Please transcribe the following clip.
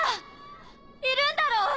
いるんだろ？